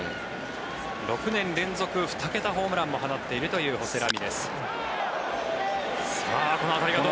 ６年連続２桁ホームランも放っているというホセ・ラミレス。